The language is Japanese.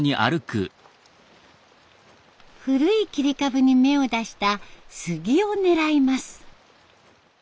古い切り株に芽を出した杉を狙います。